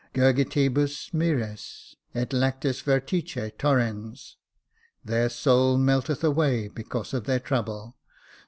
—' Gurgitibus mtris et lactis vertice torrens^ —* Their soul melteth away because of their trouble.'